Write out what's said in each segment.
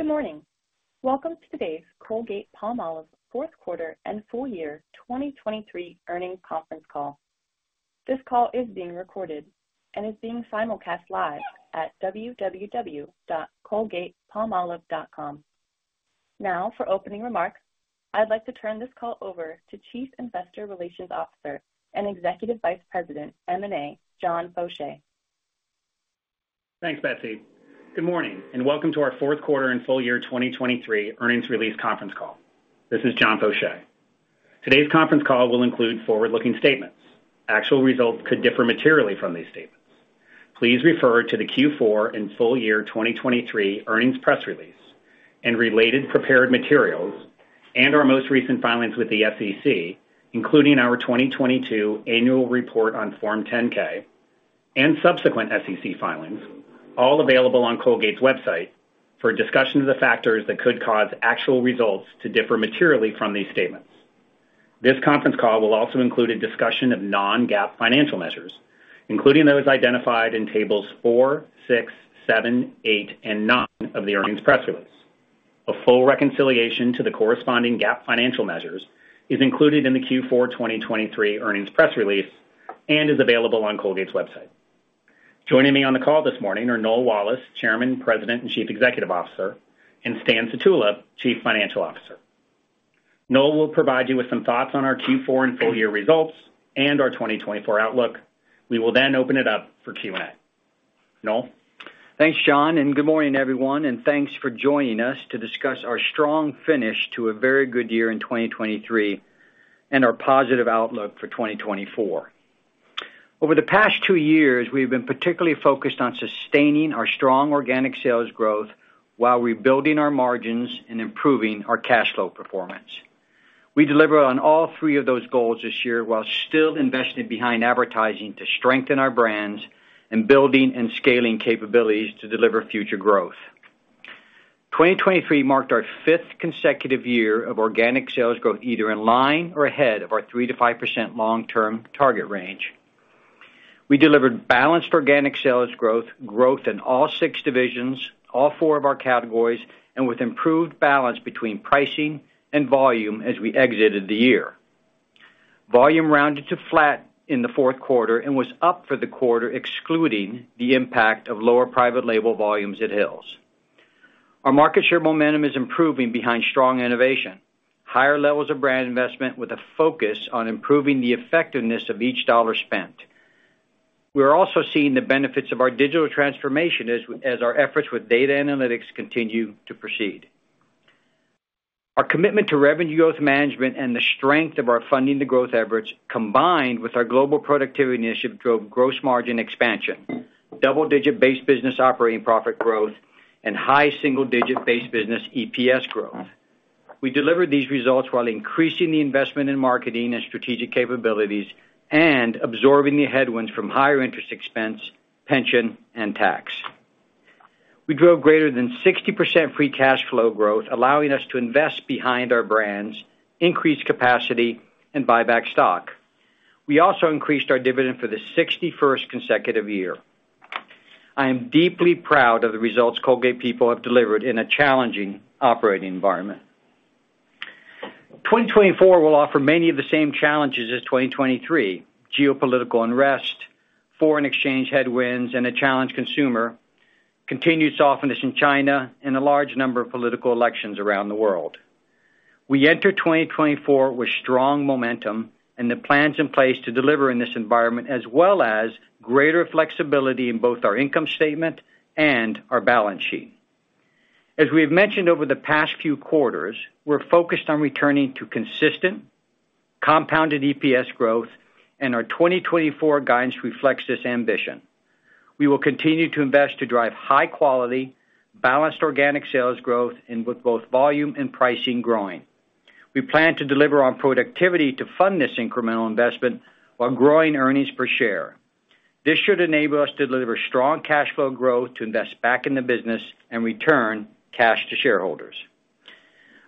Good morning. Welcome to today's Colgate-Palmolive fourth quarter and full year 2023 earnings conference call. This call is being recorded and is being simulcast live at www.colgatepalmolive.com. Now, for opening remarks, I'd like to turn this call over to Chief Investor Relations Officer and Executive Vice President, M&A, John Faucher. Thanks, Betsy. Good morning, and welcome to our fourth quarter and full year 2023 earnings release conference call. This is John Faucher. Today's conference call will include forward-looking statements. Actual results could differ materially from these statements. Please refer to the Q4 and full year 2023 earnings press release and related prepared materials and our most recent filings with the SEC, including our 2022 annual report on Form 10-K and subsequent SEC filings, all available on Colgate's website, for a discussion of the factors that could cause actual results to differ materially from these statements. This conference call will also include a discussion of non-GAAP financial measures, including those identified in tables 4, 6, 7, 8, and 9 of the earnings press release. A full reconciliation to the corresponding GAAP financial measures is included in the Q4 2023 earnings press release and is available on Colgate's website. Joining me on the call this morning are Noel Wallace, Chairman, President, and Chief Executive Officer, and Stan Sutula, Chief Financial Officer. Noel will provide you with some thoughts on our Q4 and full year results and our 2024 outlook. We will then open it up for Q&A. Noel? Thanks, John, and good morning, everyone, and thanks for joining us to discuss our strong finish to a very good year in 2023 and our positive outlook for 2024. Over the past two years, we've been particularly focused on sustaining our strong organic sales growth while rebuilding our margins and improving our cash flow performance. We delivered on all three of those goals this year, while still investing behind advertising to strengthen our brands and building and scaling capabilities to deliver future growth. 2023 marked our fifth consecutive year of organic sales growth, either in line or ahead of our 3%-5% long-term target range. We delivered balanced organic sales growth, growth in all six divisions, all four of our categories, and with improved balance between pricing and volume as we exited the year. Volume rounded to flat in the fourth quarter and was up for the quarter, excluding the impact of lower private label volumes at Hill's. Our market share momentum is improving behind strong innovation, higher levels of brand investment, with a focus on improving the effectiveness of each dollar spent. We are also seeing the benefits of our digital transformation as our efforts with data analytics continue to proceed. Our commitment to Revenue Growth Management and the strength of our Funding the Growth efforts, combined with our Global Productivity Initiative, drove gross margin expansion, double-digit base business operating profit growth, and high single-digit base business EPS growth. We delivered these results while increasing the investment in marketing and strategic capabilities and absorbing the headwinds from higher interest expense, pension, and tax. We drove greater than 60% free cash flow growth, allowing us to invest behind our brands, increase capacity, and buy back stock. We also increased our dividend for the 61st consecutive year. I am deeply proud of the results Colgate people have delivered in a challenging operating environment. 2024 will offer many of the same challenges as 2023: geopolitical unrest, foreign exchange headwinds and a challenged consumer, continued softness in China, and a large number of political elections around the world. We enter 2024 with strong momentum and the plans in place to deliver in this environment, as well as greater flexibility in both our income statement and our balance sheet. As we've mentioned over the past few quarters, we're focused on returning to consistent compounded EPS growth, and our 2024 guidance reflects this ambition. We will continue to invest to drive high quality, balanced organic sales growth and with both volume and pricing growing. We plan to deliver on productivity to fund this incremental investment while growing earnings per share. This should enable us to deliver strong cash flow growth to invest back in the business and return cash to shareholders.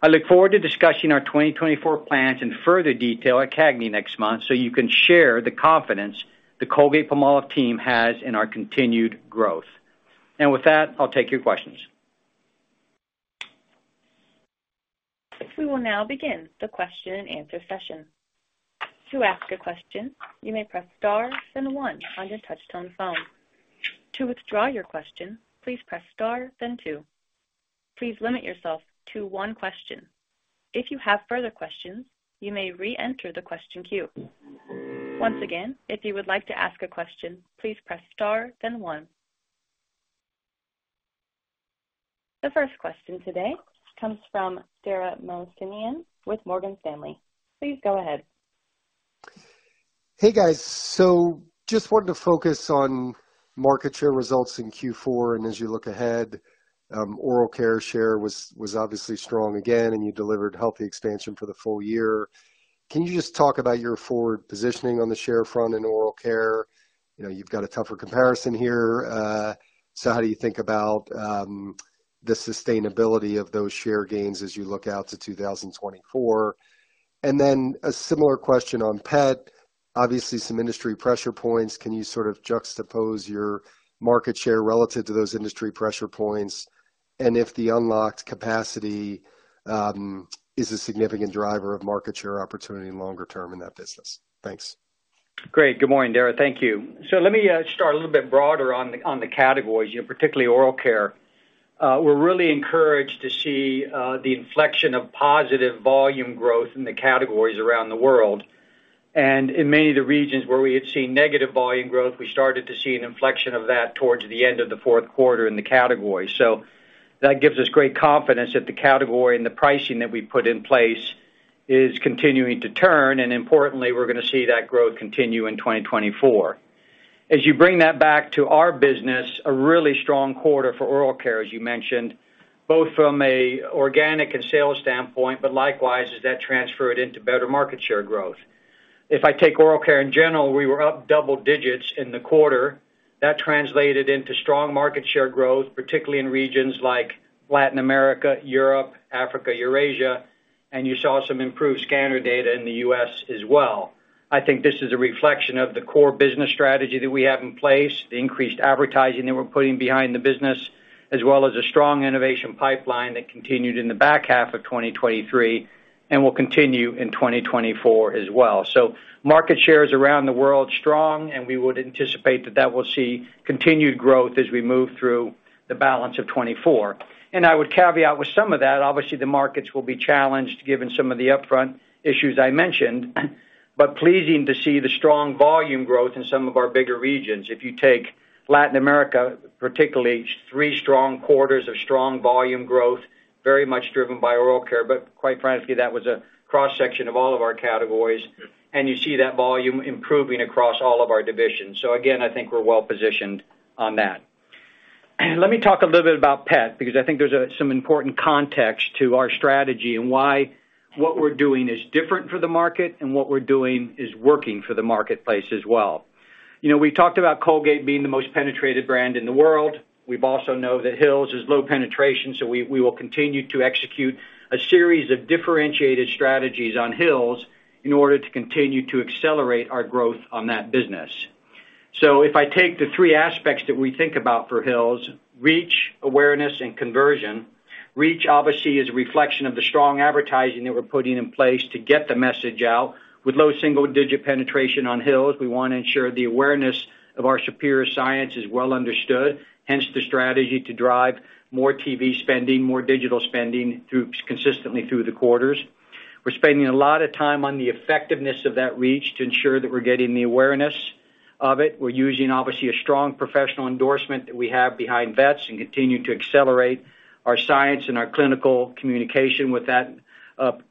I look forward to discussing our 2024 plans in further detail at CAGNY next month, so you can share the confidence the Colgate-Palmolive team has in our continued growth. With that, I'll take your questions. We will now begin the question-and-answer session. To ask a question, you may press star then one on your touchtone phone. To withdraw your question, please press star then two. Please limit yourself to one question. If you have further questions, you may reenter the question queue. Once again, if you would like to ask a question, please press star then one. The first question today comes from Dara Mohsenian with Morgan Stanley. Please go ahead. Hey, guys. So just wanted to focus on market share results in Q4. And as you look ahead, oral care share was obviously strong again, and you delivered healthy expansion for the full year. Can you just talk about your forward positioning on the share front in oral care? You know, you've got a tougher comparison here. So how do you think about the sustainability of those share gains as you look out to 2024?... And then a similar question on pet. Obviously, some industry pressure points. Can you sort of juxtapose your market share relative to those industry pressure points? And if the unlocked capacity is a significant driver of market share opportunity longer term in that business? Thanks. Great. Good morning, Dara. Thank you. So let me start a little bit broader on the categories, you know, particularly oral care. We're really encouraged to see the inflection of positive volume growth in the categories around the world. And in many of the regions where we had seen negative volume growth, we started to see an inflection of that towards the end of the fourth quarter in the category. So that gives us great confidence that the category and the pricing that we put in place is continuing to turn, and importantly, we're gonna see that growth continue in 2024. As you bring that back to our business, a really strong quarter for oral care, as you mentioned, both from an organic and sales standpoint, but likewise, as that transferred into better market share growth. If I take oral care in general, we were up double digits in the quarter. That translated into strong market share growth, particularly in regions like Latin America, Europe, Africa, Eurasia, and you saw some improved scanner data in the U.S. as well. I think this is a reflection of the core business strategy that we have in place, the increased advertising that we're putting behind the business, as well as a strong innovation pipeline that continued in the back half of 2023 and will continue in 2024 as well. So market shares around the world, strong, and we would anticipate that that will see continued growth as we move through the balance of 2024. I would caveat with some of that, obviously, the markets will be challenged given some of the upfront issues I mentioned, but pleasing to see the strong volume growth in some of our bigger regions. If you take Latin America, particularly, three strong quarters of strong volume growth, very much driven by oral care. But quite frankly, that was a cross-section of all of our categories, and you see that volume improving across all of our divisions. So again, I think we're well positioned on that. Let me talk a little bit about pet, because I think there's some important context to our strategy and why what we're doing is different for the market and what we're doing is working for the marketplace as well. You know, we talked about Colgate being the most penetrated brand in the world. We've also known that Hill's is low penetration, so we, we will continue to execute a series of differentiated strategies on Hill's in order to continue to accelerate our growth on that business. So if I take the three aspects that we think about for Hill's, reach, awareness, and conversion. Reach, obviously, is a reflection of the strong advertising that we're putting in place to get the message out. With low single digit penetration on Hill's, we wanna ensure the awareness of our superior science is well understood, hence, the strategy to drive more TV spending, more digital spending through consistently through the quarters. We're spending a lot of time on the effectiveness of that reach to ensure that we're getting the awareness of it. We're using, obviously, a strong professional endorsement that we have behind vets and continue to accelerate our science and our clinical communication with that,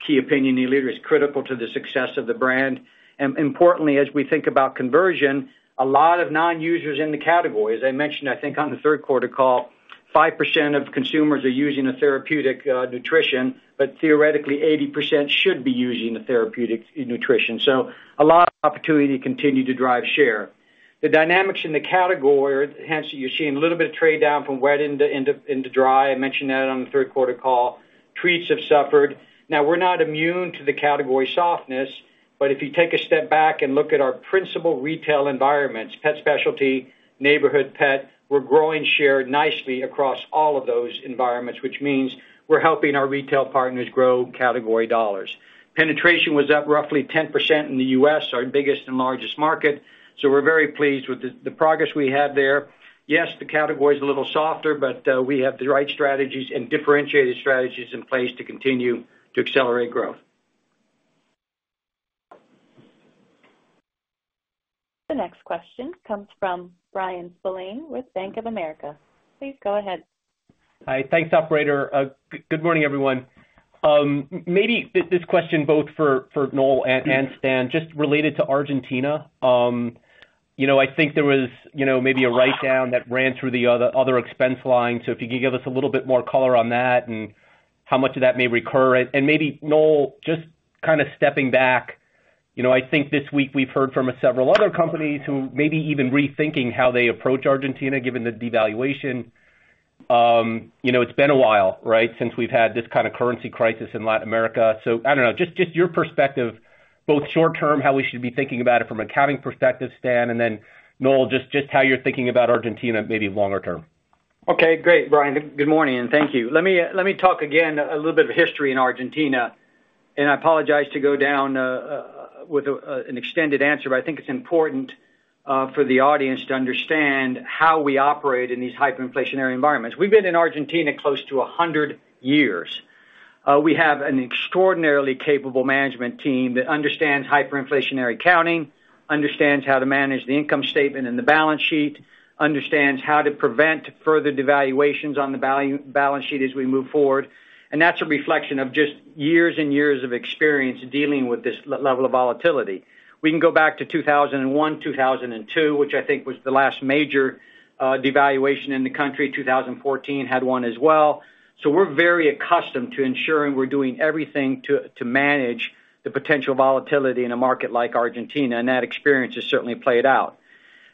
key opinion leader is critical to the success of the brand. And importantly, as we think about conversion, a lot of non-users in the category. As I mentioned, I think on the third quarter call, 5% of consumers are using a therapeutic, nutrition, but theoretically, 80% should be using a therapeutic nutrition. So a lot of opportunity to continue to drive share. The dynamics in the category, hence, you're seeing a little bit of trade down from wet into, into dry. I mentioned that on the third quarter call. Treats have suffered. Now, we're not immune to the category softness, but if you take a step back and look at our principal retail environments, pet specialty, neighborhood pet, we're growing share nicely across all of those environments, which means we're helping our retail partners grow category dollars. Penetration was up roughly 10% in the U.S., our biggest and largest market, so we're very pleased with the progress we had there. Yes, the category is a little softer, but we have the right strategies and differentiated strategies in place to continue to accelerate growth. The next question comes from Bryan Spillane with Bank of America. Please go ahead. Hi. Thanks, operator. Good morning, everyone. Maybe this question both for Noel and Stan, just related to Argentina. You know, I think there was, you know, maybe a write-down that ran through the other expense line. So if you could give us a little bit more color on that and how much of that may recur. And maybe, Noel, just stepping back, you know, I think this week we've heard from several other companies who may be even rethinking how they approach Argentina, given the devaluation. You know, it's been a while, right, since we've had this kind of currency crisis in Latin America. So I don't know, just, just your perspective, both short term, how we should be thinking about it from an accounting perspective, Stan, and then, Noel, just, just how you're thinking about Argentina, maybe longer term. Okay, great, Bryan. Good morning, and thank you. Let me talk again a little bit of history in Argentina, and I apologize to go down with an extended answer, but I think it's important for the audience to understand how we operate in these hyperinflationary environments. We've been in Argentina close to 100 years. We have an extraordinarily capable management team that understands hyperinflationary accounting, understands how to manage the income statement and the balance sheet, understands how to prevent further devaluations on the balance sheet as we move forward, and that's a reflection of just years and years of experience dealing with this level of volatility. We can go back to 2001, 2002, which I think was the last major devaluation in the country. 2014 had one as well. So we're very accustomed to ensuring we're doing everything to manage the potential volatility in a market like Argentina, and that experience has certainly played out.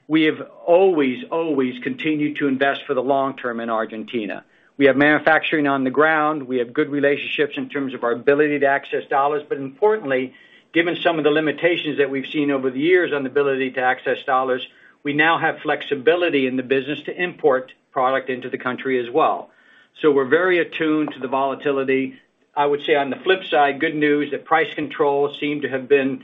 We have always, always continued to invest for the long term in Argentina. We have manufacturing on the ground, we have good relationships in terms of our ability to access dollars, but importantly, given some of the limitations that we've seen over the years on the ability to access dollars, we now have flexibility in the business to import product into the country as well. So we're very attuned to the volatility. I would say, on the flip side, good news, that price controls seem to have been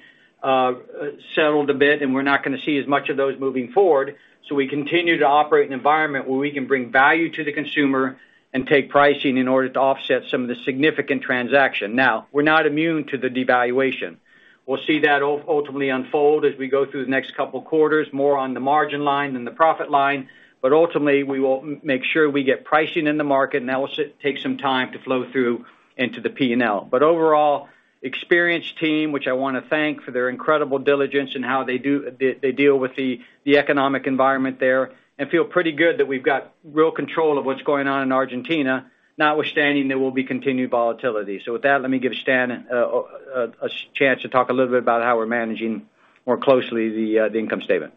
settled a bit, and we're not gonna see as much of those moving forward. So we continue to operate in an environment where we can bring value to the consumer and take pricing in order to offset some of the significant transaction. Now, we're not immune to the devaluation. We'll see that ultimately unfold as we go through the next couple of quarters, more on the margin line than the profit line. But ultimately, we will make sure we get pricing in the market, and that will take some time to flow through into the P&L. But overall, experienced team, which I wanna thank for their incredible diligence and how they deal with the economic environment there, and feel pretty good that we've got real control of what's going on in Argentina, notwithstanding there will be continued volatility. So with that, let me give Stan a chance to talk a little bit about how we're managing more closely the income statement.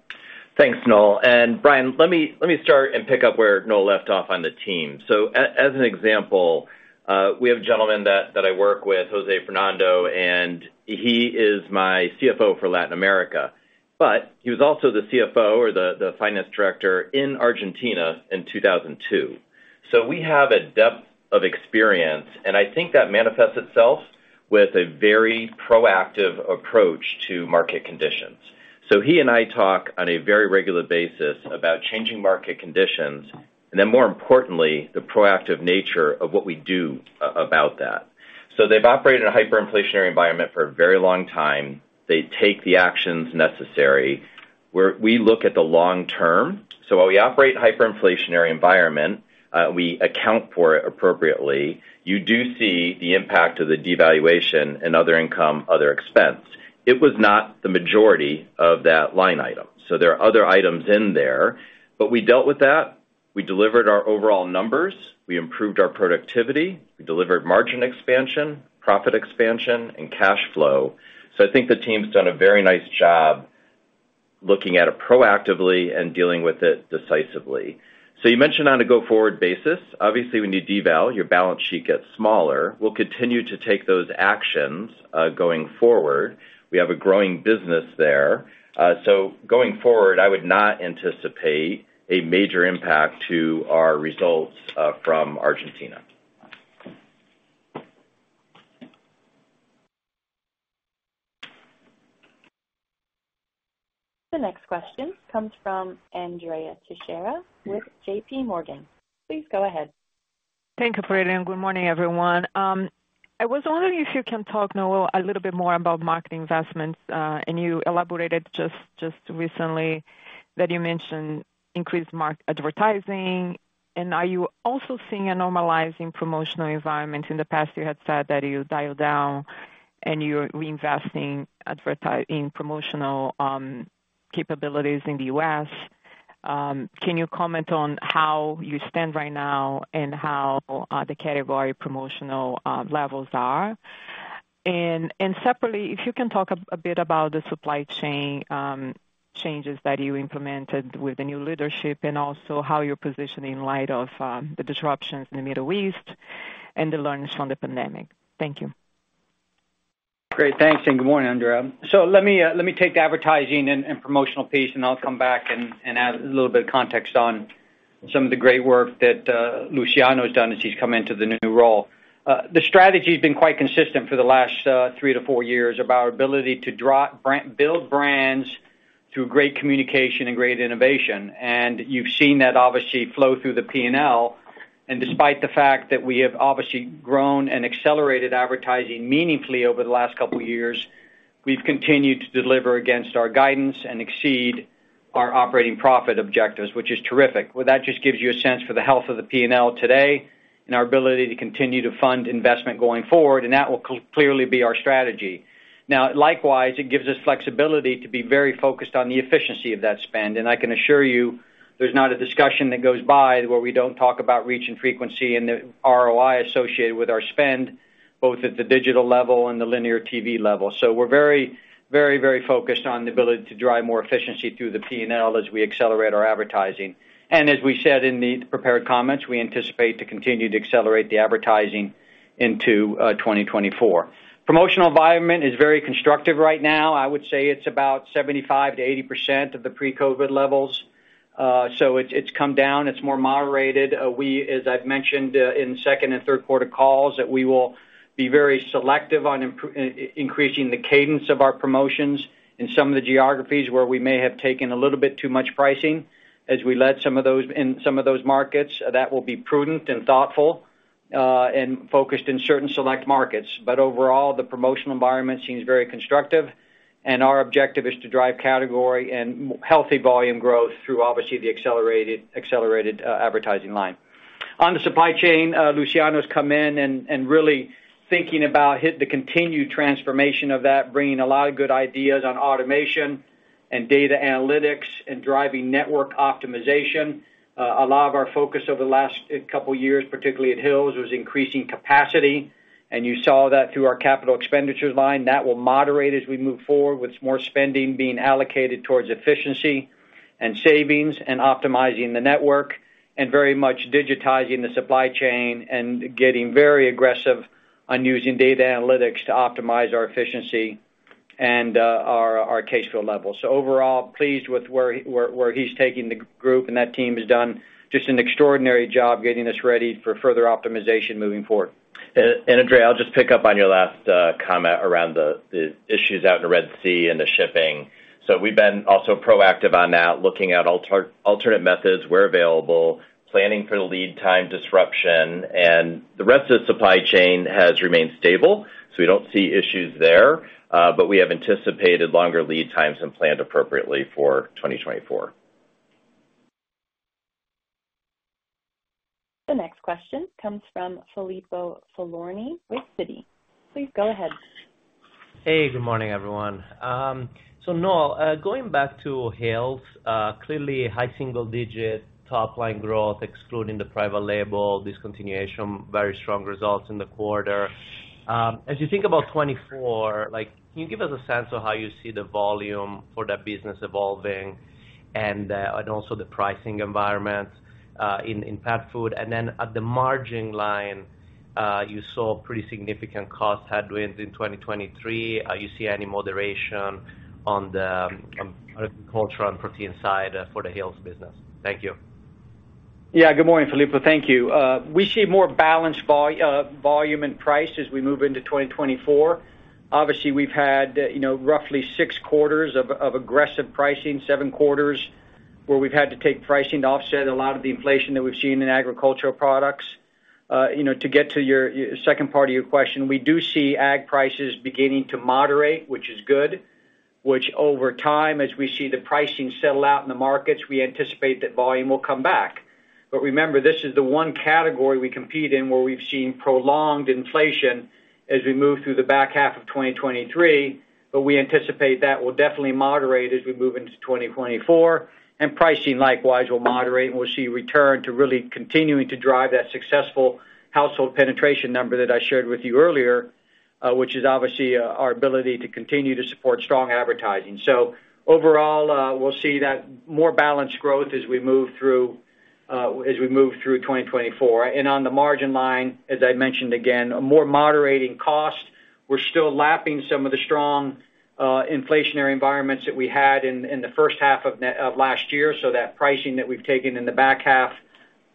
Thanks, Noel. And Brian, let me start and pick up where Noel left off on the team. So as an example, we have a gentleman that I work with, Jose Fernando, and he is my CFO for Latin America. But he was also the CFO or the finance director in Argentina in 2002. So we have a depth of experience, and I think that manifests itself with a very proactive approach to market conditions. So he and I talk on a very regular basis about changing market conditions, and then more importantly, the proactive nature of what we do about that. So they've operated in a hyperinflationary environment for a very long time. They take the actions necessary, where we look at the long term. So while we operate in a hyperinflationary environment, we account for it appropriately. You do see the impact of the devaluation in other income, other expense. It was not the majority of that line item, so there are other items in there. But we dealt with that. We delivered our overall numbers, we improved our productivity, we delivered margin expansion, profit expansion, and cash flow. So I think the team's done a very nice job looking at it proactively and dealing with it decisively. So you mentioned on a go-forward basis, obviously, when you deval, your balance sheet gets smaller. We'll continue to take those actions, going forward. We have a growing business there. So going forward, I would not anticipate a major impact to our results, from Argentina. The next question comes from Andrea Teixeira with JP Morgan. Please go ahead. Thank you for it, and good morning, everyone. I was wondering if you can talk, Noel, a little bit more about marketing investments, and you elaborated just recently that you mentioned increased marketing advertising. And are you also seeing a normalizing promotional environment? In the past, you had said that you dialed down and you're reinvesting in promotional capabilities in the U.S. Can you comment on how you stand right now and how the category promotional levels are? And separately, if you can talk a bit about the supply chain changes that you implemented with the new leadership, and also how you're positioning in light of the disruptions in the Middle East and the learnings from the pandemic. Thank you. Great. Thanks, and good morning, Andrea. So let me take the advertising and promotional piece, and I'll come back and add a little bit of context on some of the great work that Luciano has done as he's come into the new role. The strategy has been quite consistent for the last 3-4 years, of our ability to brand, build brands through great communication and great innovation. And you've seen that obviously flow through the P&L. And despite the fact that we have obviously grown and accelerated advertising meaningfully over the last couple of years, we've continued to deliver against our guidance and exceed our operating profit objectives, which is terrific. Well, that just gives you a sense for the health of the P&L today and our ability to continue to fund investment going forward, and that will clearly be our strategy. Now, likewise, it gives us flexibility to be very focused on the efficiency of that spend. And I can assure you, there's not a discussion that goes by where we don't talk about reach and frequency and the ROI associated with our spend, both at the digital level and the linear TV level. So we're very, very, very focused on the ability to drive more efficiency through the P&L as we accelerate our advertising. And as we said in the prepared comments, we anticipate to continue to accelerate the advertising into 2024. Promotional environment is very constructive right now. I would say it's about 75%-80% of the pre-COVID levels. So it's come down, it's more moderated. We, as I've mentioned, in second and third quarter calls, that we will be very selective on increasing the cadence of our promotions in some of the geographies where we may have taken a little bit too much pricing. As we led in some of those markets, that will be prudent and thoughtful, and focused in certain select markets. But overall, the promotional environment seems very constructive, and our objective is to drive category and healthy volume growth through, obviously, the accelerated advertising line. On the supply chain, Luciano's come in and really thinking about the continued transformation of that, bringing a lot of good ideas on automation and data analytics and driving network optimization. A lot of our focus over the last couple of years, particularly at Hill's, was increasing capacity, and you saw that through our capital expenditures line. That will moderate as we move forward, with more spending being allocated towards efficiency and savings and optimizing the network, and very much digitizing the supply chain and getting very aggressive on using data analytics to optimize our efficiency and our case fill levels. So overall, pleased with where he's taking the group, and that team has done just an extraordinary job getting us ready for further optimization moving forward. Andrea, I'll just pick up on your last comment around the issues out in the Red Sea and the shipping. So we've been also proactive on that, looking at alternate methods where available, planning for the lead time disruption, and the rest of the supply chain has remained stable, so we don't see issues there. But we have anticipated longer lead times and planned appropriately for 2024. The next question comes from Filippo Falorni with Citi. Please go ahead. Hey, good morning, everyone. So Noel, going back to health, clearly high single-digit top line growth, excluding the private label discontinuation, very strong results in the quarter. As you think about 2024, like, can you give us a sense of how you see the volume for that business evolving and also the pricing environment in pet food? And then at the margin line, you saw pretty significant cost headwinds in 2023. You see any moderation on the agricultural and protein side for the health business? Thank you. Yeah. Good morning, Filippo. Thank you. We see more balanced volume and price as we move into 2024. Obviously, we've had, you know, roughly 6 quarters of aggressive pricing, 7 quarters, where we've had to take pricing to offset a lot of the inflation that we've seen in agricultural products. You know, to get to your second part of your question, we do see ag prices beginning to moderate, which is good, which over time, as we see the pricing settle out in the markets, we anticipate that volume will come back. But remember, this is the one category we compete in, where we've seen prolonged inflation as we move through the back half of 2023, but we anticipate that will definitely moderate as we move into 2024, and pricing, likewise, will moderate, and we'll see a return to really continuing to drive that successful household penetration number that I shared with you earlier, which is obviously our ability to continue to support strong advertising. So overall, we'll see that more balanced growth as we move through 2024. And on the margin line, as I mentioned again, a more moderating cost. We're still lapping some of the strong, inflationary environments that we had in the first half of net of last year, so that pricing that we've taken in the back half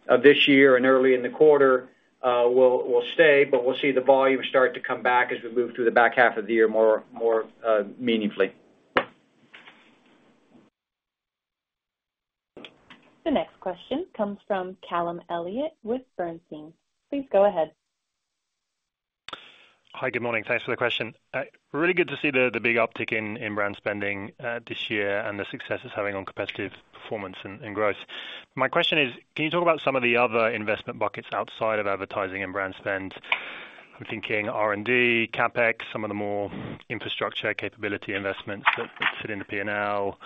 of this year and early in the quarter will stay, but we'll see the volume start to come back as we move through the back half of the year more meaningfully. The next question comes from Callum Elliott with Bernstein. Please go ahead. Hi, good morning. Thanks for the question. Really good to see the big uptick in brand spending this year and the success it's having on competitive performance and growth. My question is, can you talk about some of the other investment buckets outside of advertising and brand spend? I'm thinking R&D, CapEx, some of the more infrastructure capability investments that sit in the P&L.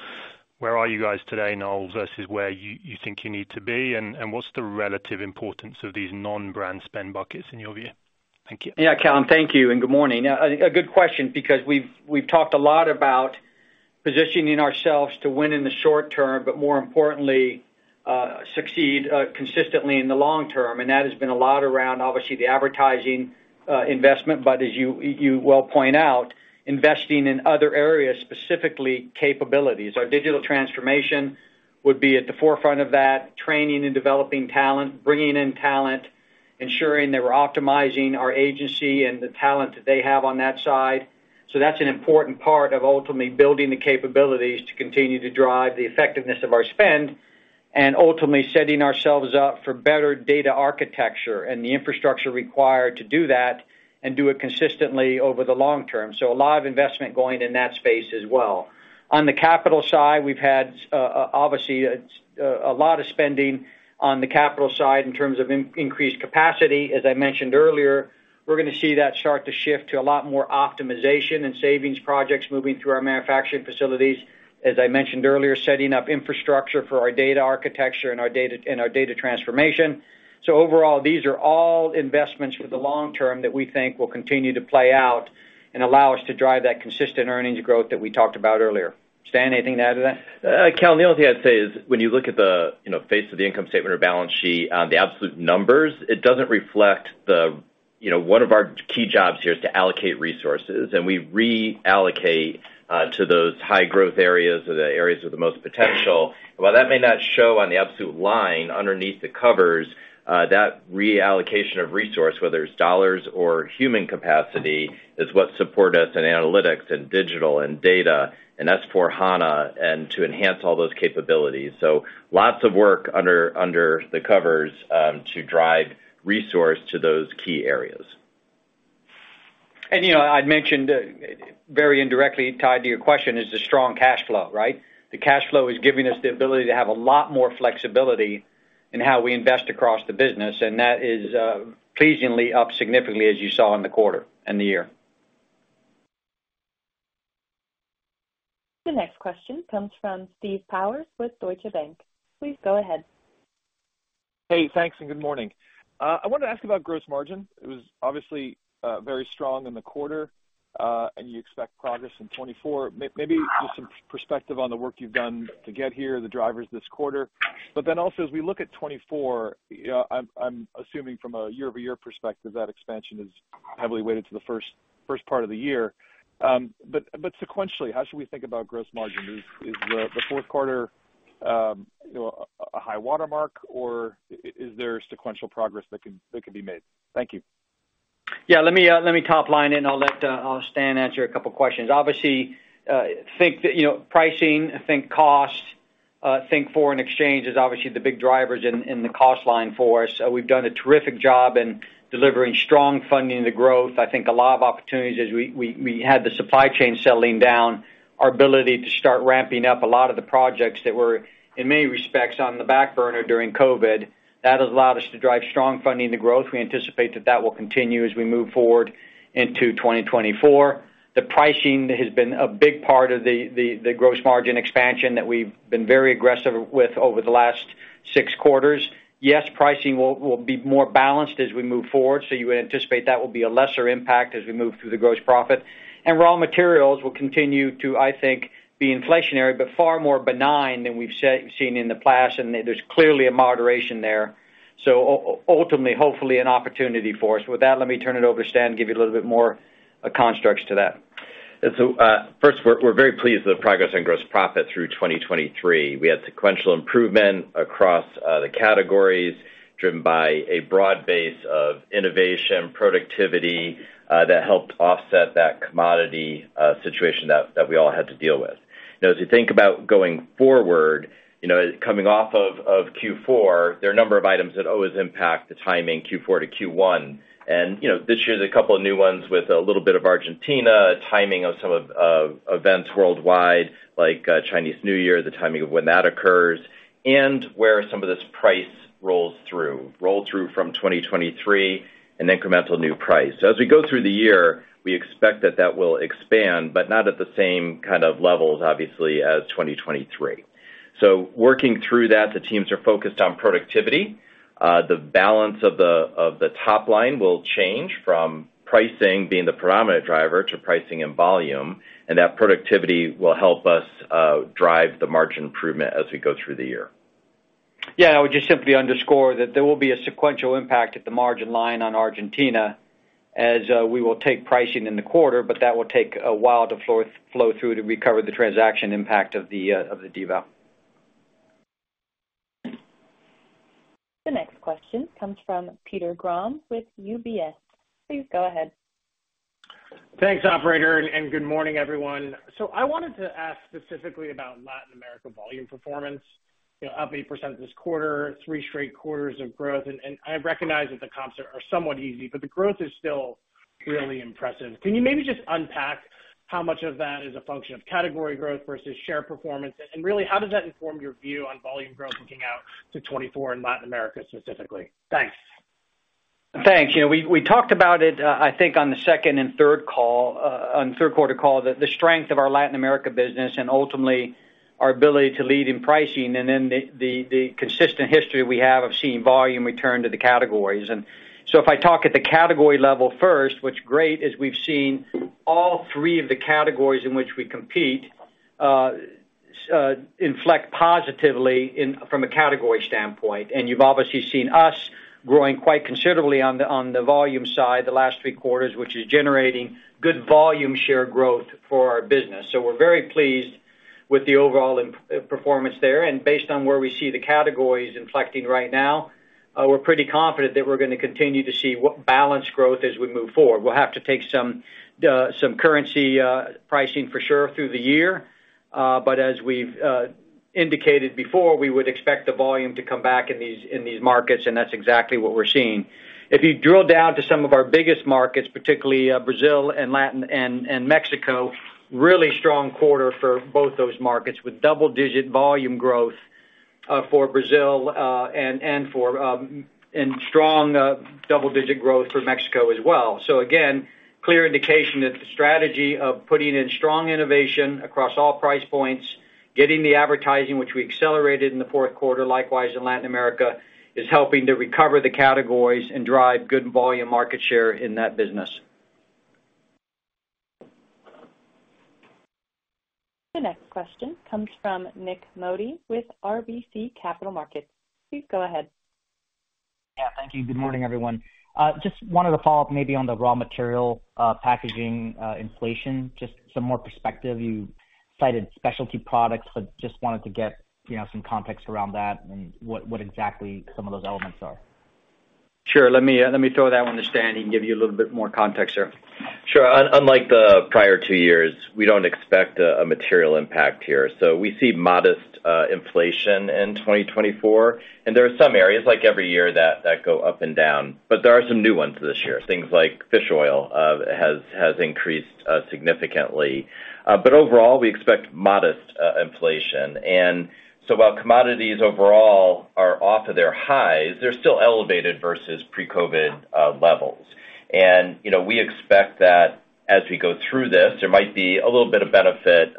Where are you guys today, Noel, versus where you think you need to be? And what's the relative importance of these non-brand spend buckets in your view? Thank you. Yeah, Callum, thank you, and good morning. A good question, because we've talked a lot about positioning ourselves to win in the short term, but more importantly, succeed consistently in the long term, and that has been a lot around, obviously, the advertising investment. But as you well point out, investing in other areas, specifically capabilities. Our digital transformation would be at the forefront of that, training and developing talent, bringing in talent, ensuring that we're optimizing our agency and the talent that they have on that side. So that's an important part of ultimately building the capabilities to continue to drive the effectiveness of our spend, and ultimately setting ourselves up for better data architecture and the infrastructure required to do that and do it consistently over the long term. So a lot of investment going in that space as well. On the capital side, we've had obviously a lot of spending on the capital side in terms of increased capacity. As I mentioned earlier, we're gonna see that start to shift to a lot more optimization and savings projects moving through our manufacturing facilities. As I mentioned earlier, setting up infrastructure for our data architecture and our data transformation. So overall, these are all investments for the long term that we think will continue to play out and allow us to drive that consistent earnings growth that we talked about earlier. Stan, anything to add to that? Callum, the only thing I'd say is, when you look at the, you know, face of the income statement or balance sheet, the absolute numbers, it doesn't reflect the... You know, one of our key jobs here is to allocate resources, and we reallocate to those high growth areas or the areas with the most potential. While that may not show on the absolute line, underneath the covers, that reallocation of resource, whether it's dollars or human capacity, is what support us in analytics and digital and data, and S/4HANA and to enhance all those capabilities. So lots of work under the covers to drive resource to those key areas. You know, I'd mentioned very indirectly tied to your question, is the strong cash flow, right? The cash flow is giving us the ability to have a lot more flexibility in how we invest across the business, and that is pleasingly up significantly, as you saw in the quarter, and the year. The next question comes from Steve Powers with Deutsche Bank. Please go ahead. Hey, thanks, and good morning. I wanted to ask about gross margin. It was obviously very strong in the quarter, and you expect progress in 2024. Maybe just some perspective on the work you've done to get here, the drivers this quarter. But then also, as we look at 2024, you know, I'm assuming from a year-over-year perspective, that expansion is heavily weighted to the first part of the year. But sequentially, how should we think about gross margin? Is the fourth quarter a high watermark, or is there sequential progress that can be made? Thank you. Yeah, let me let me top line, and I'll let Stan answer a couple of questions. Obviously, think that, you know, pricing, I think cost, think foreign exchange is obviously the big drivers in the cost line for us. So we've done a terrific job in delivering strong funding to growth. I think a lot of opportunities as we had the supply chain settling down, our ability to start ramping up a lot of the projects that were, in many respects, on the back burner during COVID, that has allowed us to drive strong funding to growth. We anticipate that that will continue as we move forward into 2024. The pricing has been a big part of the gross margin expansion that we've been very aggressive with over the last six quarters. Yes, pricing will be more balanced as we move forward, so you would anticipate that will be a lesser impact as we move through the gross profit. And raw materials will continue to, I think, be inflationary, but far more benign than we've seen in the past, and there's clearly a moderation there. So ultimately, hopefully, an opportunity for us. With that, let me turn it over to Stan, give you a little bit more constructs to that. First, we're very pleased with the progress on gross profit through 2023. We had sequential improvement across the categories, driven by a broad base of innovation, productivity, that helped offset that commodity situation that we all had to deal with. Now, as you think about going forward, you know, coming off of Q4, there are a number of items that always impact the timing, Q4 to Q1. You know, this year, there's a couple of new ones with a little bit of Argentina, timing of some of events worldwide, like Chinese New Year, the timing of when that occurs, and where some of this price rolls through from 2023 and incremental new price. So as we go through the year, we expect that that will expand, but not at the same kind of levels, obviously, as 2023. So working through that, the teams are focused on productivity. The balance of the, of the top line will change from pricing being the predominant driver to pricing and volume, and that productivity will help us drive the margin improvement as we go through the year. Yeah, I would just simply underscore that there will be a sequential impact at the margin line on Argentina as we will take pricing in the quarter, but that will take a while to flow through to recover the transaction impact of the deval. The next question comes from Peter Grom with UBS. Please go ahead. Thanks, operator, and good morning, everyone. So I wanted to ask specifically about Latin America volume performance. You know, up 8% this quarter, three straight quarters of growth, and I recognize that the comps are somewhat easy, but the growth is still really impressive. Can you maybe just unpack how much of that is a function of category growth versus share performance? And really, how does that inform your view on volume growth looking out to 2024 in Latin America, specifically? Thanks. Thanks. You know, we talked about it. I think on the second and third call, on third quarter call, that the strength of our Latin America business and ultimately our ability to lead in pricing, and then the consistent history we have of seeing volume return to the categories. So if I talk at the category level first, what's great is we've seen all three of the categories in which we compete inflect positively from a category standpoint. You've obviously seen us growing quite considerably on the volume side the last three quarters, which is generating good volume share growth for our business. So we're very pleased with the overall performance there, and based on where we see the categories inflecting right now, we're pretty confident that we're gonna continue to see balanced growth as we move forward. We'll have to take some currency pricing for sure through the year, but as we've indicated before, we would expect the volume to come back in these markets, and that's exactly what we're seeing. If you drill down to some of our biggest markets, particularly Brazil and Latin America and Mexico, really strong quarter for both those markets, with double-digit volume growth for Brazil and strong double-digit growth for Mexico as well. So again, clear indication that the strategy of putting in strong innovation across all price points, getting the advertising which we accelerated in the fourth quarter, likewise in Latin America, is helping to recover the categories and drive good volume market share in that business. The next question comes from Nik Modi with RBC Capital Markets. Please go ahead. Yeah, thank you. Good morning, everyone. Just wanted to follow up maybe on the raw material, packaging, inflation, just some more perspective. You cited specialty products, but just wanted to get, you know, some context around that and what exactly some of those elements are. Sure. Let me, let me throw that one to Stan. He can give you a little bit more context here. Sure. Unlike the prior two years, we don't expect a material impact here. So we see modest inflation in 2024, and there are some areas, like every year, that go up and down, but there are some new ones this year. Things like fish oil has increased significantly. But overall, we expect modest inflation. And so while commodities overall are off of their highs, they're still elevated versus pre-COVID levels... and, you know, we expect that as we go through this, there might be a little bit of benefit,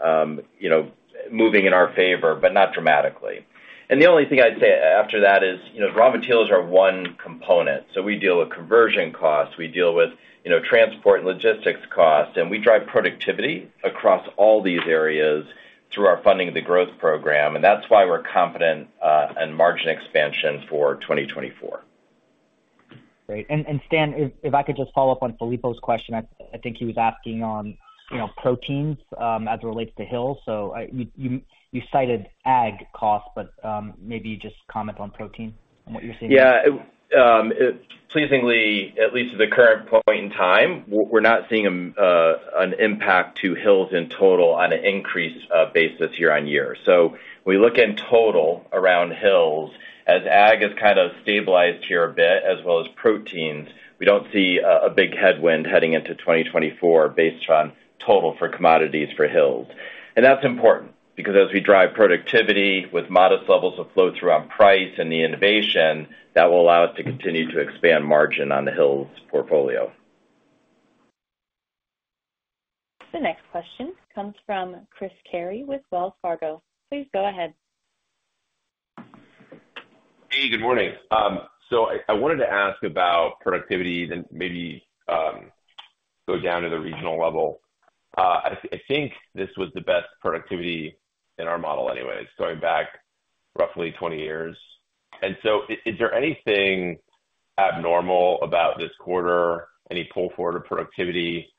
you know, moving in our favor, but not dramatically. And the only thing I'd say after that is, you know, raw materials are one component. So we deal with conversion costs, we deal with, you know, transport and logistics costs, and we drive productivity across all these areas through our Funding the Growth program, and that's why we're confident in margin expansion for 2024. Great. And Stan, if I could just follow up on Filippo's question. I think he was asking on, you know, proteins, as it relates to Hill's. So you cited ag costs, but maybe you just comment on protein and what you're seeing. Yeah. Pleasingly, at least to the current point in time, we're not seeing an impact to Hill's in total on an increased basis year-over-year. So we look in total around Hill's, as ag has kind of stabilized here a bit, as well as proteins, we don't see a big headwind heading into 2024 based on total for commodities for Hill's. And that's important because as we drive productivity with modest levels of flow-through on price and the innovation, that will allow us to continue to expand margin on the Hill's portfolio. The next question comes from Chris Carey with Wells Fargo. Please go ahead. Hey, good morning. So I wanted to ask about productivity, then maybe go down to the regional level. I think this was the best productivity in our model anyways, going back roughly 20 years. And so is there anything abnormal about this quarter, any pull forward of productivity,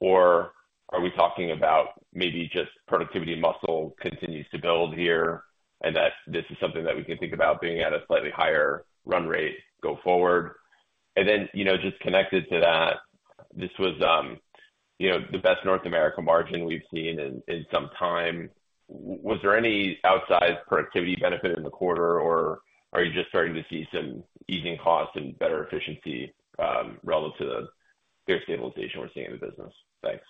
or are we talking about maybe just productivity muscle continues to build here, and that this is something that we can think about being at a slightly higher run rate go forward? And then, you know, just connected to that, this was, you know, the best North America margin we've seen in some time. Was there any outsized productivity benefit in the quarter, or are you just starting to see some easing costs and better efficiency relative to the stabilization we're seeing in the business? Thanks.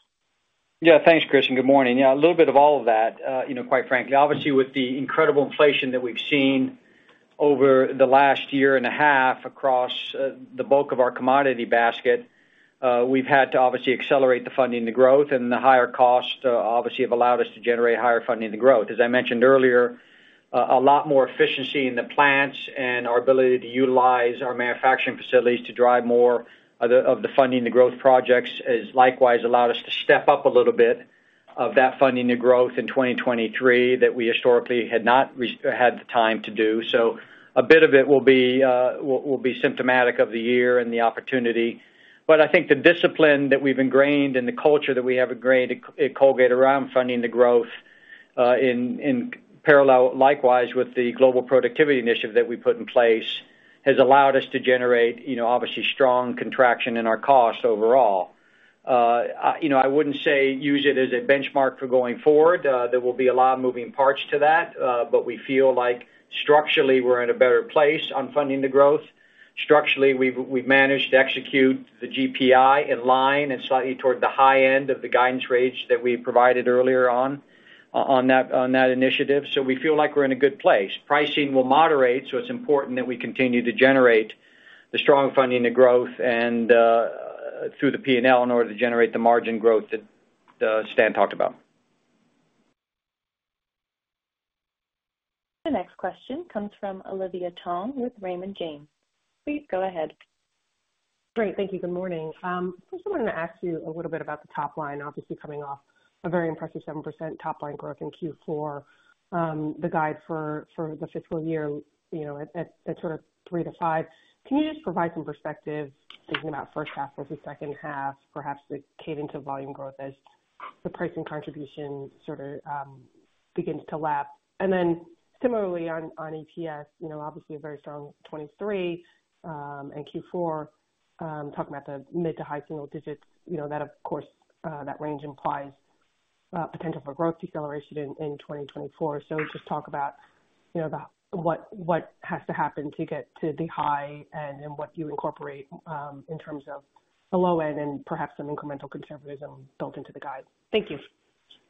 Yeah. Thanks, Christian. Good morning. Yeah, a little bit of all of that, you know, quite frankly. Obviously, with the incredible inflation that we've seen over the last year and a half across the bulk of our commodity basket, we've had to obviously accelerate the Funding the Growth, and the higher costs, obviously, have allowed us to generate higher Funding the Growth. As I mentioned earlier, a lot more efficiency in the plants and our ability to utilize our manufacturing facilities to drive more of the Funding the Growth projects has likewise allowed us to step up a little bit of that Funding the Growth in 2023 that we historically had not had the time to do. So a bit of it will be symptomatic of the year and the opportunity. But I think the discipline that we've ingrained and the culture that we have ingrained at Colgate around Funding the Growth, in parallel, likewise, with the Global Productivity Initiative that we put in place, has allowed us to generate, you know, obviously, strong contraction in our costs overall. You know, I wouldn't say use it as a benchmark for going forward. There will be a lot of moving parts to that, but we feel like structurally, we're in a better place on Funding the Growth. Structurally, we've managed to execute the GPI in line and slightly toward the high end of the guidance range that we provided earlier on, on that initiative. So we feel like we're in a good place. Pricing will moderate, so it's important that we continue to generate the strong funding, the growth and, through the P&L in order to generate the margin growth that, Stan talked about. The next question comes from Olivia Tong with Raymond James. Please go ahead. Great. Thank you. Good morning. I just wanted to ask you a little bit about the top line, obviously, coming off a very impressive 7% top line growth in Q4. The guide for the fiscal year, you know, at sort of 3-5. Can you just provide some perspective thinking about first half versus second half, perhaps the cadence of volume growth as the pricing contribution sort of begins to lap? And then similarly on EPS, you know, obviously a very strong 2023, and Q4, talking about the mid- to high-single digits, you know, that, of course, that range implies potential for growth deceleration in 2024. Just talk about, you know, about what, what has to happen to get to the high and then what you incorporate, in terms of the low end and perhaps some incremental conservatism built into the guide. Thank you.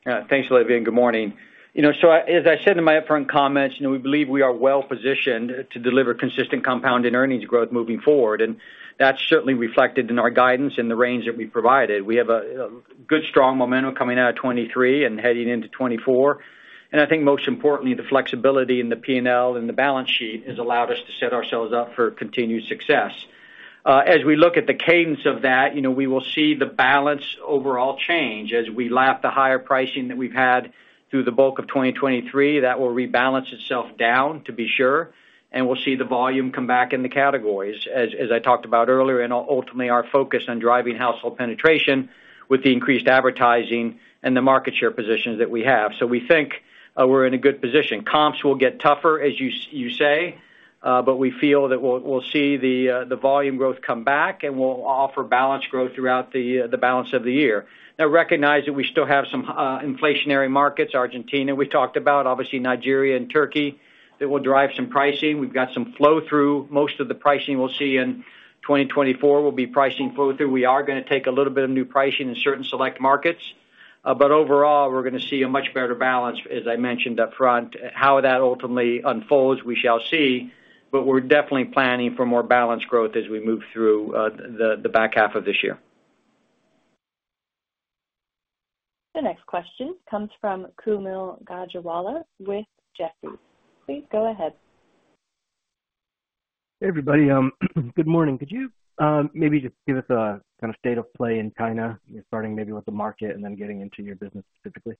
Yeah. Thanks, Olivia, and good morning. You know, so as I said in my upfront comments, you know, we believe we are well positioned to deliver consistent compound and earnings growth moving forward, and that's certainly reflected in our guidance in the range that we provided. We have a good, strong momentum coming out of 2023 and heading into 2024. And I think most importantly, the flexibility in the P&L and the balance sheet has allowed us to set ourselves up for continued success. As we look at the cadence of that, you know, we will see the balance overall change as we lap the higher pricing that we've had through the bulk of 2023. That will rebalance itself down, to be sure, and we'll see the volume come back in the categories, as I talked about earlier, and ultimately, our focus on driving household penetration with the increased advertising and the market share positions that we have. So we think we're in a good position. Comps will get tougher, as you say, but we feel that we'll see the volume growth come back, and we'll offer balanced growth throughout the balance of the year. Now, recognize that we still have some inflationary markets. Argentina, we talked about, obviously Nigeria and Turkey, that will drive some pricing. We've got some flow-through. Most of the pricing we'll see in 2024 will be pricing flow-through. We are gonna take a little bit of new pricing in certain select markets.... But overall, we're gonna see a much better balance, as I mentioned upfront. How that ultimately unfolds, we shall see, but we're definitely planning for more balanced growth as we move through the back half of this year. The next question comes from Kaumil Gajrawala with Jefferies. Please go ahead. Hey, everybody, good morning. Could you, maybe just give us a kind of state of play in China, starting maybe with the market and then getting into your business specifically?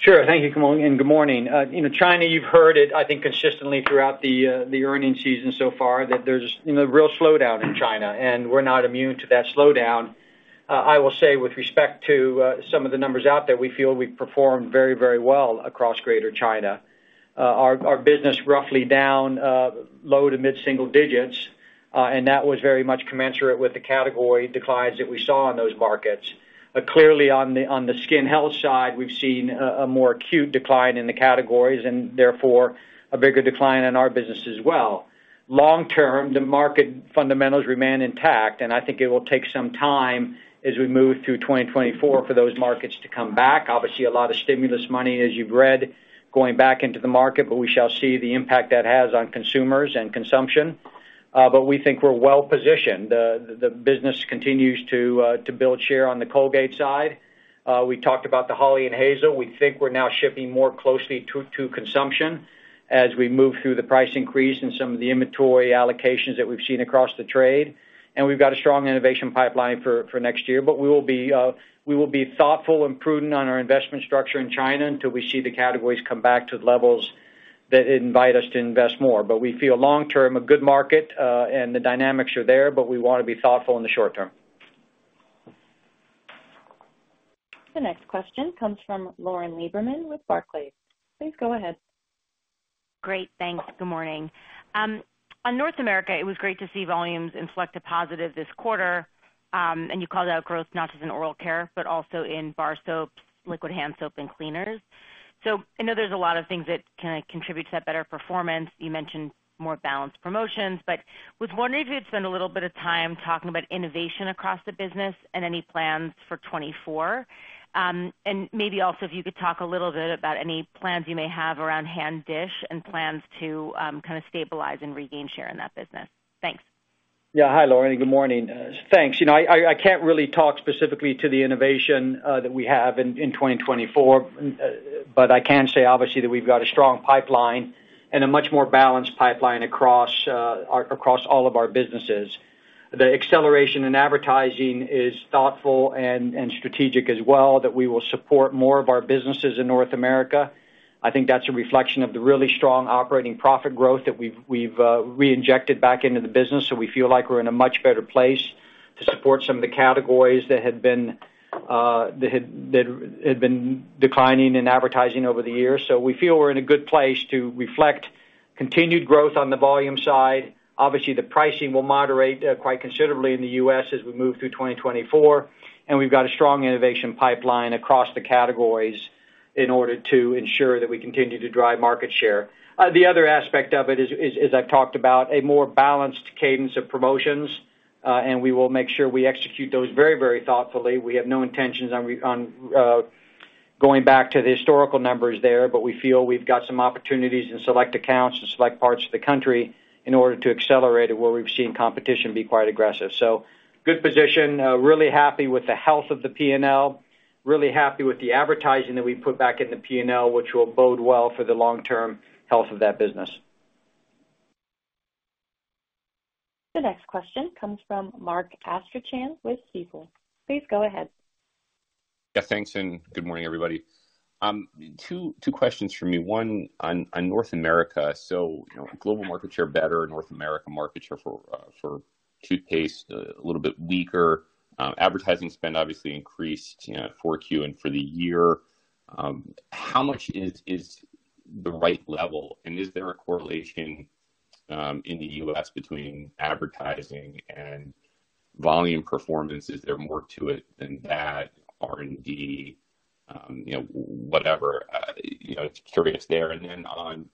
Sure. Thank you, Kaumil, and good morning. You know, China, you've heard it, I think, consistently throughout the earnings season so far, that there's, you know, real slowdown in China, and we're not immune to that slowdown. I will say, with respect to some of the numbers out there, we feel we've performed very, very well across Greater China. Our business roughly down low to mid-single digits, and that was very much commensurate with the category declines that we saw in those markets. But clearly, on the skin health side, we've seen a more acute decline in the categories, and therefore, a bigger decline in our business as well. Long term, the market fundamentals remain intact, and I think it will take some time as we move through 2024 for those markets to come back. Obviously, a lot of stimulus money, as you've read, going back into the market, but we shall see the impact that has on consumers and consumption. But we think we're well positioned. The business continues to build share on the Colgate side. We talked about the Hawley and Hazel. We think we're now shifting more closely to consumption as we move through the price increase and some of the inventory allocations that we've seen across the trade. And we've got a strong innovation pipeline for next year, but we will be thoughtful and prudent on our investment structure in China until we see the categories come back to the levels that invite us to invest more. But we feel long term, a good market, and the dynamics are there, but we wanna be thoughtful in the short term. The next question comes from Lauren Lieberman with Barclays. Please go ahead. Great. Thanks. Good morning. On North America, it was great to see volumes in select categories positive this quarter. And you called out growth not just in oral care, but also in bar soaps, liquid hand soap, and cleaners. So I know there's a lot of things that kinda contribute to that better performance. You mentioned more balanced promotions, but was wondering if you'd spend a little bit of time talking about innovation across the business and any plans for 2024. And maybe also, if you could talk a little bit about any plans you may have around hand dish and plans to, kinda stabilize and regain share in that business. Thanks. Yeah. Hi, Lauren, good morning. Thanks. You know, I can't really talk specifically to the innovation that we have in 2024, but I can say, obviously, that we've got a strong pipeline and a much more balanced pipeline across all of our businesses. The acceleration in advertising is thoughtful and strategic as well that we will support more of our businesses in North America. I think that's a reflection of the really strong operating profit growth that we've reinjected back into the business, so we feel like we're in a much better place to support some of the categories that had been declining in advertising over the years. So we feel we're in a good place to reflect continued growth on the volume side. Obviously, the pricing will moderate quite considerably in the U.S. as we move through 2024, and we've got a strong innovation pipeline across the categories in order to ensure that we continue to drive market share. The other aspect of it is, as I've talked about, a more balanced cadence of promotions, and we will make sure we execute those very, very thoughtfully. We have no intentions on going back to the historical numbers there, but we feel we've got some opportunities in select accounts and select parts of the country in order to accelerate it, where we've seen competition be quite aggressive. So good position, really happy with the health of the P&L, really happy with the advertising that we've put back in the P&L, which will bode well for the long-term health of that business. The next question comes from Mark Astrachan with Stifel. Please go ahead. Yeah, thanks, and good morning, everybody. Two questions for me. One, on North America, so, you know, global market share better, North America market share for toothpaste, a little bit weaker. Advertising spend obviously increased, you know, 4Q and for the year. How much is the right level, and is there a correlation in the U.S. between advertising and volume performance? Is there more to it than that, R&D, you know, whatever? You know, just curious there. And then on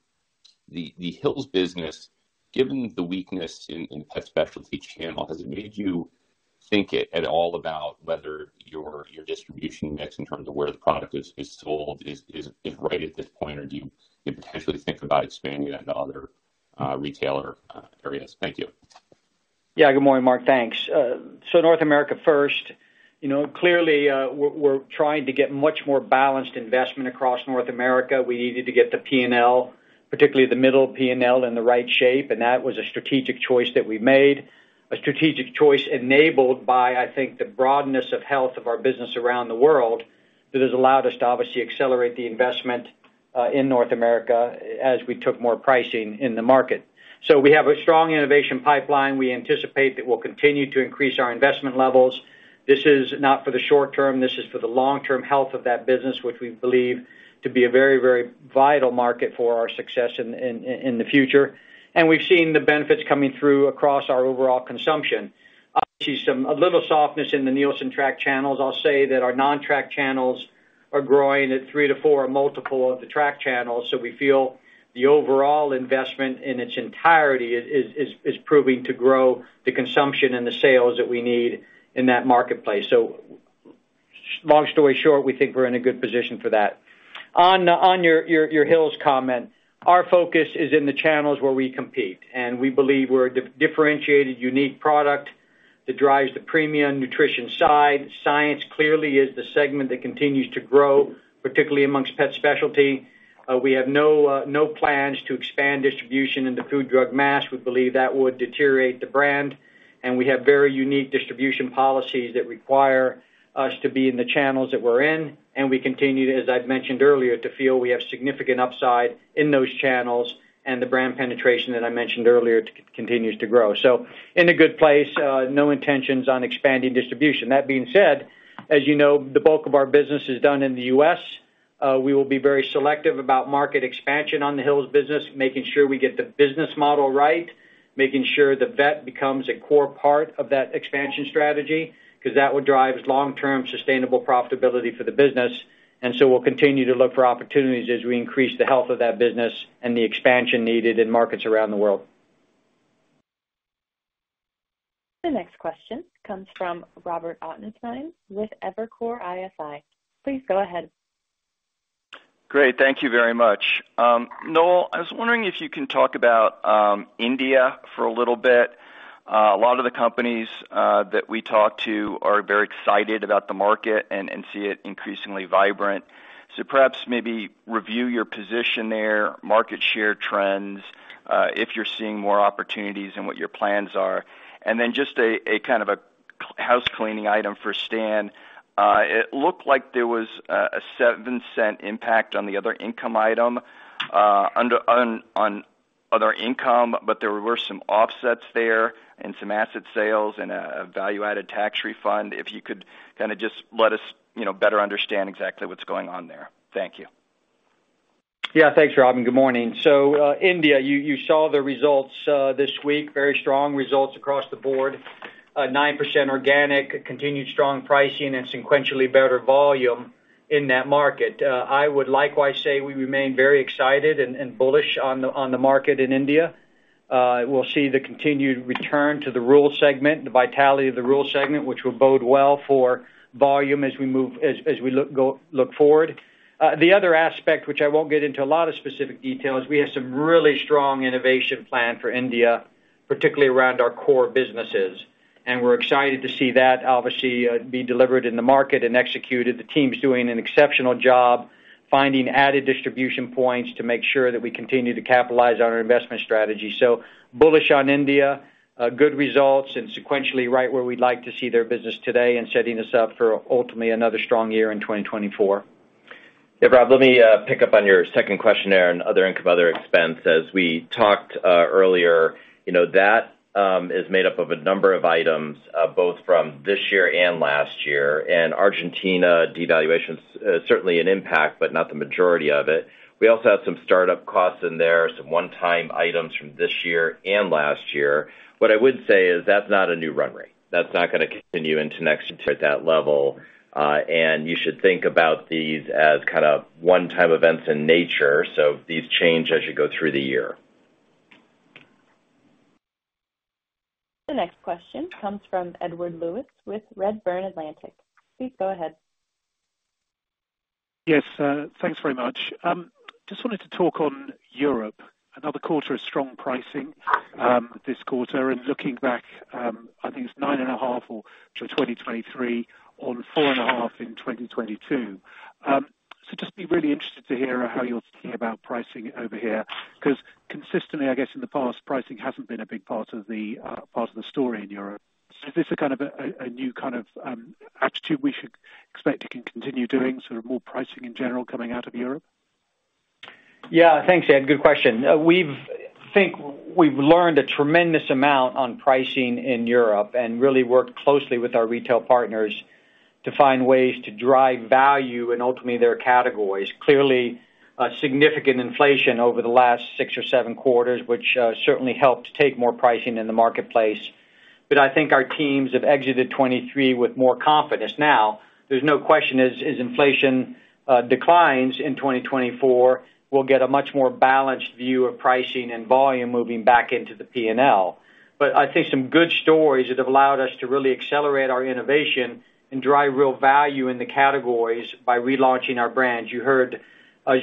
the Hill's business, given the weakness in pet specialty channel, has it made you think at all about whether your distribution mix in terms of where the product is sold is right at this point, or do you potentially think about expanding that to other retailer areas? Thank you. Yeah. Good morning, Mark. Thanks. So North America first. You know, clearly, we're trying to get much more balanced investment across North America. We needed to get the P&L, particularly the middle of P&L, in the right shape, and that was a strategic choice that we made. A strategic choice enabled by, I think, the broadness of health of our business around the world, that has allowed us to obviously accelerate the investment in North America as we took more pricing in the market. So we have a strong innovation pipeline. We anticipate that we'll continue to increase our investment levels. This is not for the short term; this is for the long-term health of that business, which we believe to be a very, very vital market for our success in the future. And we've seen the benefits coming through across our overall consumption. Obviously, some, a little softness in the Nielsen-tracked channels. I'll say that our non-tracked channels are growing at 3-4 multiple of the trackchannels. So we feel the overall investment in its entirety is proving to grow the consumption and the sales that we need in that marketplace. So long story short, we think we're in a good position for that. On your Hill's comment, our focus is in the channels where we compete, and we believe we're a differentiated, unique product that drives the premium nutrition side. Science clearly is the segment that continues to grow, particularly amongst pet specialty. We have no plans to expand distribution into food, drug, mass. We believe that would deteriorate the brand, and we have very unique distribution policies that require us to be in the channels that we're in. We continue to, as I've mentioned earlier, to feel we have significant upside in those channels, and the brand penetration that I mentioned earlier, continues to grow. So in a good place, no intentions on expanding distribution. That being said, as you know, the bulk of our business is done in the U.S. We will be very selective about market expansion on the Hill's business, making sure we get the business model right, making sure the vet becomes a core part of that expansion strategy, 'cause that would drive long-term sustainable profitability for the business. And so we'll continue to look for opportunities as we increase the health of that business and the expansion needed in markets around the world. The next question comes from Robert Ottenstein with Evercore ISI. Please go ahead. Great, thank you very much. Noel, I was wondering if you can talk about India for a little bit. A lot of the companies that we talk to are very excited about the market and see it increasingly vibrant. So perhaps maybe review your position there, market share trends, if you're seeing more opportunities and what your plans are. And then just a kind of a housecleaning item for Stan. It looked like there was a $0.07 impact on the other income item under on other income, but there were some offsets there and some asset sales and a value-added tax refund. If you could kinda just let us, you know, better understand exactly what's going on there. Thank you. Yeah, thanks, Robert. Good morning. So, India, you saw the results this week. Very strong results across the board. 9% organic, continued strong pricing and sequentially better volume in that market. I would likewise say we remain very excited and bullish on the market in India. We'll see the continued return to the rural segment, the vitality of the rural segment, which will bode well for volume as we look forward. The other aspect, which I won't get into a lot of specific details, we have some really strong innovation plan for India, particularly around our core businesses, and we're excited to see that obviously be delivered in the market and executed. The team's doing an exceptional job finding added distribution points to make sure that we continue to capitalize on our investment strategy. So bullish on India, good results and sequentially right where we'd like to see their business today and setting us up for ultimately another strong year in 2024. Yeah, Rob, let me pick up on your second question there on other income, other expense. As we talked earlier, you know, that is made up of a number of items, both from this year and last year, and Argentina devaluation is certainly an impact, but not the majority of it. We also have some start-up costs in there, some one-time items from this year and last year. What I would say is that's not a new run rate. That's not gonna continue into next at that level, and you should think about these as kind of one-time events in nature, so these change as you go through the year. The next question comes from Edward Lewis with Redburn Atlantic. Please go ahead. Yes, thanks very much. Just wanted to talk on Europe. Another quarter of strong pricing, this quarter, and looking back, I think it's 9.5 or to 2023, on 4.5 in 2022. So just be really interested to hear how you're thinking about pricing over here, 'cause consistently, I guess, in the past, pricing hasn't been a big part of the, part of the story in Europe. So is this a kind of a, a new kind of, attitude we should expect you can continue doing, sort of more pricing in general coming out of Europe? Yeah. Thanks, Ed, good question. We've think we've learned a tremendous amount on pricing in Europe and really worked closely with our retail partners to find ways to drive value and ultimately their categories. Clearly, a significant inflation over the last six or seven quarters, which certainly helped take more pricing in the marketplace. But I think our teams have exited 2023 with more confidence. Now, there's no question, as inflation declines in 2024, we'll get a much more balanced view of pricing and volume moving back into the P&L. But I think some good stories that have allowed us to really accelerate our innovation and drive real value in the categories by relaunching our brands. You heard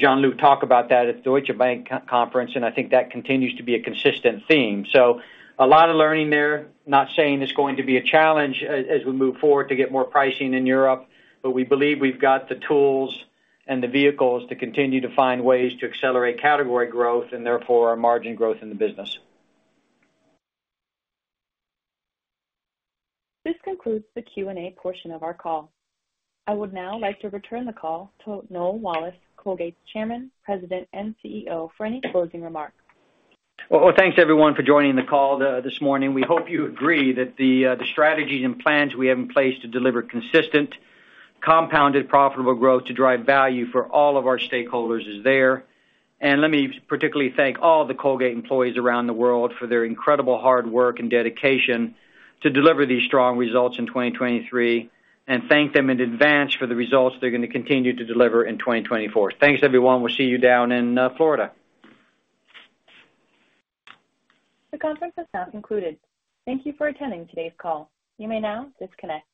Jean-Luc talk about that at the Deutsche Bank conference, and I think that continues to be a consistent theme. So a lot of learning there. Not saying it's going to be a challenge as we move forward to get more pricing in Europe, but we believe we've got the tools and the vehicles to continue to find ways to accelerate category growth and therefore our margin growth in the business. This concludes the Q&A portion of our call. I would now like to return the call to Noel Wallace, Colgate's Chairman, President, and CEO, for any closing remarks. Well, well, thanks, everyone, for joining the call this morning. We hope you agree that the strategies and plans we have in place to deliver consistent, compounded, profitable growth to drive value for all of our stakeholders is there. Let me particularly thank all the Colgate employees around the world for their incredible hard work and dedication to deliver these strong results in 2023, and thank them in advance for the results they're gonna continue to deliver in 2024. Thanks, everyone. We'll see you down in Florida. The conference is now concluded. Thank you for attending today's call. You may now disconnect.